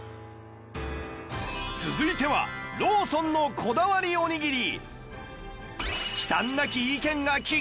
続いては ＬＡＷＳＯＮ のこだわりおにぎり